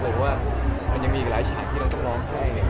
บอกว่ามันยังมีหลายฉันที่ต้องร้องให้